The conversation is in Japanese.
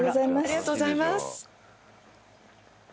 ありがとうございます。